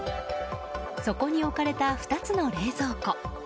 そこに置かれた２つの冷蔵庫。